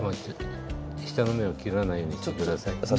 下の芽を切らないようにして下さい。